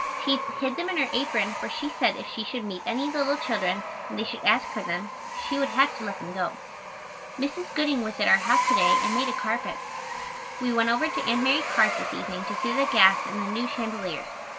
She hid them in her apron for she said if she should meet any little children and they should ask for them she would have to let them go. Mrs. Gooding was at our house to day and made a carpet. We went over to Aunt Mary Carr's this evening to see the gas and the new chandeliers.